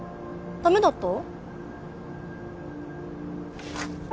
ダメだった？